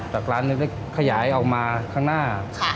จากร้านเล็กขยายเอามาข้างหน้า